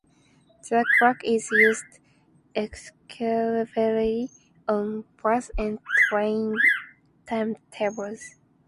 The clock is used exclusively on bus and train timetables.